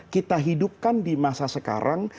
kita hidupkan di masa sekarang